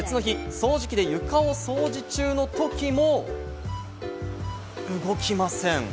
掃除機で床を掃除中のときも、動きません。